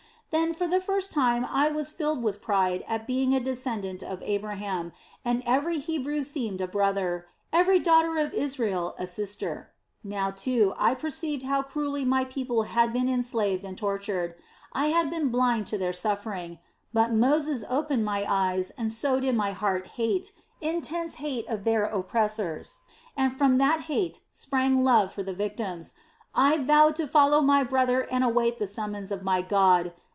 Then for the first time I was filled with pride at being a descendant of Abraham, and every Hebrew seemed a brother, every daughter of Israel a sister. Now, too, I perceived how cruelly my people had been enslaved and tortured. I had been blind to their suffering, but Moses opened my eyes and sowed in my heart hate, intense hate of their oppressors, and from this hate sprang love for the victims. I vowed to follow my brother and await the summons of my God.